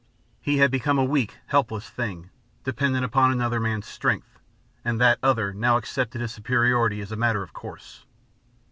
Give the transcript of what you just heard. He had become a weak, helpless thing, dependent upon another's strength, and that other now accepted his superiority as a matter of course.